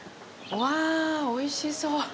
うわぁ、おいしそう！